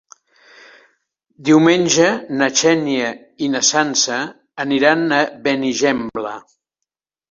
Diumenge na Xènia i na Sança aniran a Benigembla.